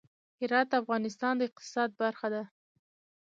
هرات د افغانستان د اقتصاد برخه ده.